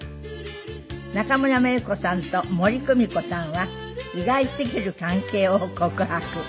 中村メイコさんと森公美子さんは意外すぎる関係を告白。